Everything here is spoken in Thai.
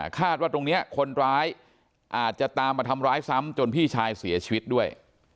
ว่าตรงนี้คนร้ายอาจจะตามมาทำร้ายซ้ำจนพี่ชายเสียชีวิตด้วย